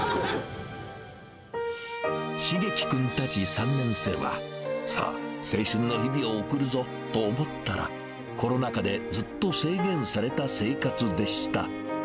蒼基君たち３年生は、さあ、青春の日々を送るぞと思ったら、コロナ禍でずっと制限された生活でした。